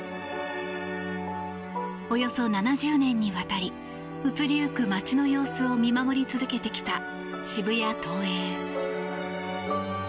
およそ７０年にわたり移り行く街の様子を見守り続けてきた渋谷ＴＯＥＩ。